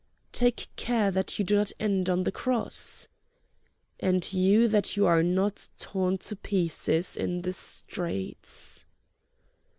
"Take care that you do not end on the cross!" "And you that you are not torn to pieces in the streets!"